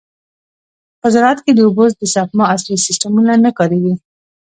په زراعت کې د اوبو د سپما عصري سیستمونه نه کارېږي.